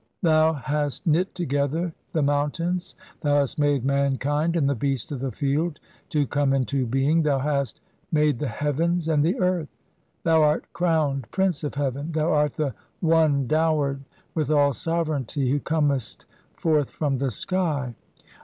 Thou hast knit "together the mountains, thou hast made mankind and "the beasts of the field to come into being, thou hast "made the heavens and the earth. Thou art crowned "Prince of heaven, thou art the One dowered [with "all sovereignty] who comest forth from the sky.